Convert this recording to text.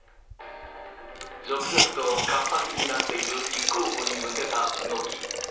続々と活発になっている立候補に向けた動き。